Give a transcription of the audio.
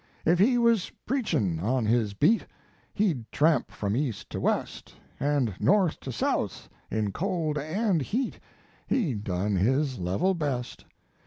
If he was preachin* on his beat, He d tramp from east to west, And north to south in cold and heat He done his level best.